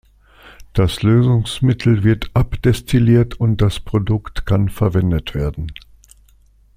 Das Lösungsmittel wird abdestilliert und das Produkt kann verwendet werden.